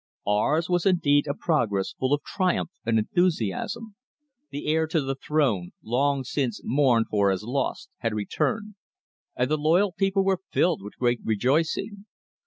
Ours was indeed a progress full of triumph and enthusiasm. The heir to the throne, long since mourned for as lost, had returned, and the loyal people were filled with great rejoicing.